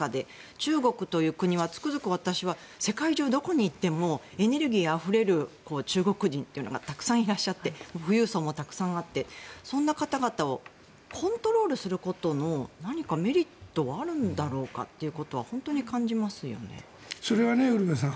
中国という国はつくづく私は世界中どこに行ってもエネルギーあふれる中国人というのがたくさんいらっしゃって富裕層もたくさんあってそんな方々をコントロールすることの何かメリットはあるんだろうかということはそれはウルヴェさん